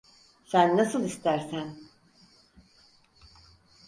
Sen nasıl istersen.